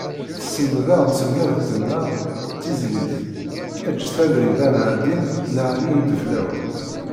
Tselmed-aɣ tselmadt-nneɣ tizlit eǧǧet-aɣ abrid ad nɛeddin n Ɛli Ideflawen.